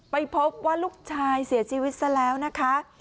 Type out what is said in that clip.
ไปพบว่าลูกชายเสียชีวิตซะแล้วนะคะ